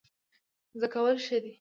زده کول ښه دی.